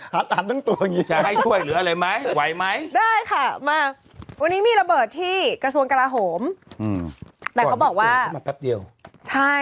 หัดหันตั้งตัวอย่างงี้จะ